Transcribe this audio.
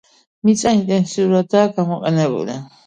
მიწა ინტენსიურადაა გამოყენებული.